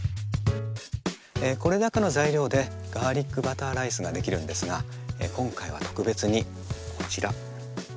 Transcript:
これだけの材料でガーリックバターライスができるんですが今回は特別にこちら。